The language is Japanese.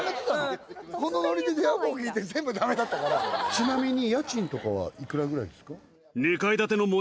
ちなみに。